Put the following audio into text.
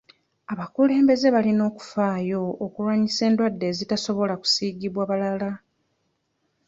Abakulembeze balina okufaayo okulwanyisa endwadde ezitasobola kusiigibwa balala.